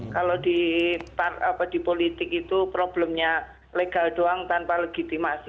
kalau di politik itu problemnya legal doang tanpa legitimasi